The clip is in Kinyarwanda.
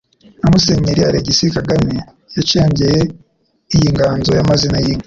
Nka Musenyeri Alegisi Kagame yacengeye iyi nganzo y'amazina y'inka,